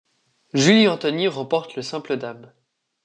Julie Anthony remporte le simple dames.